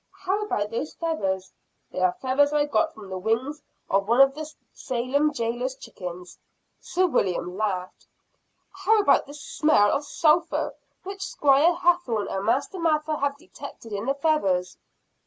"How about those feathers?" "They are feathers I got from the wings of one of the Salem jailor's chickens." Sir William laughed, "How about the smell of sulphur which Squire Hathorne and Master Mather have detected in the feathers?"